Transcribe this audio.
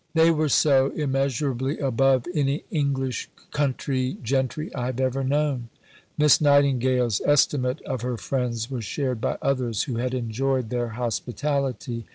They were so immeasurably above any English 'country gentry' I have ever known." Miss Nightingale's estimate of her friends was shared by others who had enjoyed their hospitality.